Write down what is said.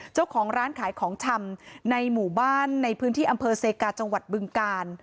เจ้าของร้านขายของชำในหมู่บ้านในพื้นที่อำเภอเซกาจังหวัดบึงกาล